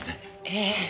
ええ。